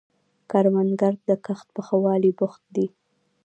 کروندګر د کښت په ښه والي بوخت دی